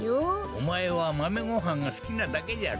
おまえはマメごはんがすきなだけじゃろ。